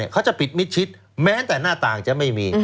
เขาจะปิดมิดชิดแม้แต่หน้าต่างจะไม่มี